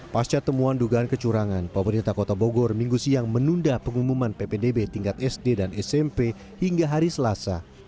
pasca temuan dugaan kecurangan pemerintah kota bogor minggu siang menunda pengumuman ppdb tingkat sd dan smp hingga hari selasa